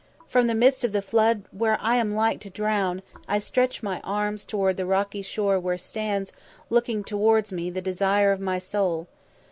From the midst of the flood where I am like to drown, I stretch my arms towards the rocky shore where stands, looking towards me, the desire of my soul.